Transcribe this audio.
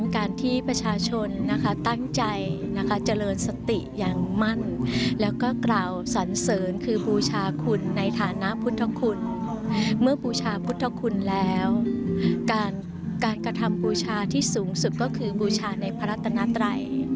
การกระทำบูชาที่สูงสุดก็คือบูชาในพระรัตนัตรัย